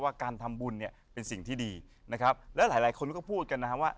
การทำบุญเนี่ยเป็นสิ่งที่ดีนะครับแล้วหลายหลายคนก็พูดกันนะครับว่า